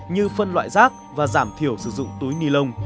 như phân loại rác và giảm thiểu sử dụng túi nilon